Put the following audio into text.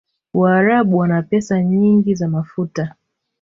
waarabu wana pesa nyingi za mafuta